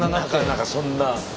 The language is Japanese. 何かそんな。